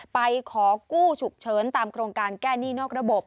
ไปขอกู้ฉุกเฉินตามโครงการแก้หนี้นอกระบบ